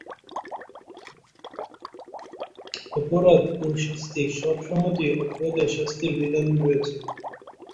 অপরাধ ও শাস্তি সব সমাজেই অপরাধের শাস্তির বিধান রয়েছে।